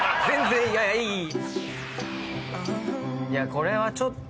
これはちょっと。